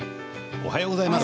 おはようございます。